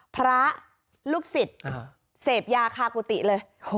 พระลูกศิษย์เสพยาคากุฏิเลย